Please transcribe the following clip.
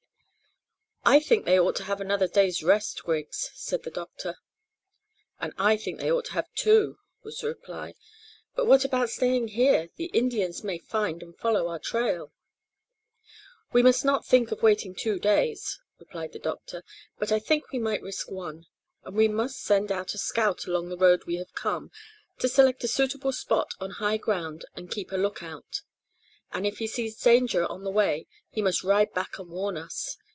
"I think they ought to have another day's rest, Griggs," said the doctor. "And I think they ought to have two," was the reply; "but what about staying here? The Indians may find and follow our trail." "We must not think of waiting two days," replied the doctor, "but I think we might risk one, and we must send out a scout along the road we have come, to select a suitable spot on high ground and keep a lookout. If he sees danger on the way he must ride back and warn us.